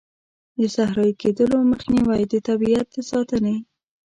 د صحرایې کیدلو مخنیوی، د طبیعیت د ساتنې.